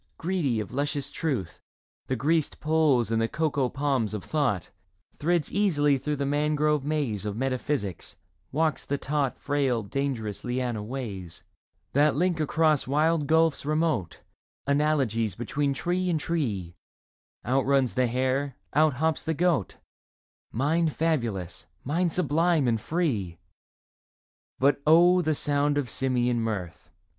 Greedy of luscious truth, the greased Poles and the coco palms of thought, Thrids easily through the mangrove maze Of metaphysics, walks the taut Frail dangerous liana ways That link across wide gulfs remote Analogies between tree and tree ; Outruns the hare, outhops the goat ; Mind fabulous, mind sublime and free ! But oh, the sound of simian mirth